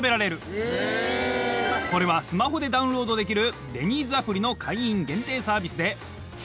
これはスマホでダウンロードできる。